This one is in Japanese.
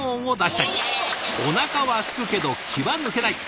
おなかはすくけど気は抜けない。